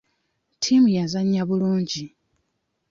Ttiimu yazannya bulungi.